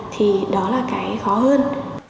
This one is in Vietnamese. thì đó là cái khó hơn